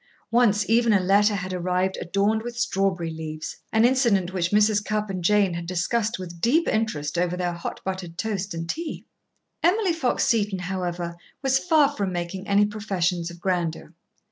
Once even a letter had arrived adorned with strawberry leaves, an incident which Mrs. Cupp and Jane had discussed with deep interest over their hot buttered toast and tea. Emily Fox Seton, however, was far from making any professions of grandeur.